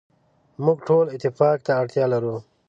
موږ ټول اتفاق ته اړتیا لرو.